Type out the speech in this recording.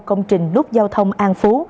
công trình nút giao thông an phú